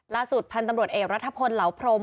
ล่าสุดพันธุ์ตำรวจเอกรัฐพลเหลาพรม